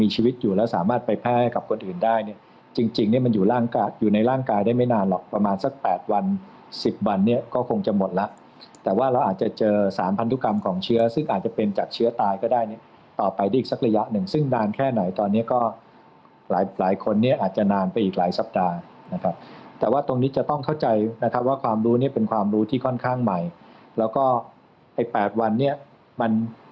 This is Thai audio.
จริงเนี่ยมันอยู่ในร่างกายได้ไม่นานหรอกประมาณสัก๘วัน๑๐วันเนี่ยก็คงจะหมดแล้วแต่ว่าเราอาจจะเจอสารพันธุกรรมของเชื้อซึ่งอาจจะเป็นจากเชื้อตายก็ได้ต่อไปได้อีกสักระยะหนึ่งซึ่งนานแค่ไหนตอนนี้ก็หลายคนเนี่ยอาจจะนานไปอีกหลายสัปดาห์นะครับแต่ว่าตรงนี้จะต้องเข้าใจนะครับว่าความรู้เนี่ยเป